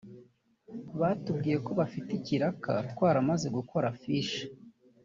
Batubwiye ko bafite ikiraka twaramaze gukora affiche